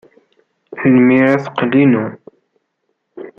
Imir-a, teqqel inu.